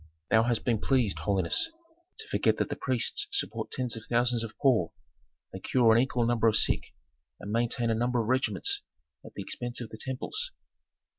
"Thou hast been pleased, holiness, to forget that the priests support tens of thousands of poor; they cure an equal number of sick, and maintain a number of regiments at the expense of the temples."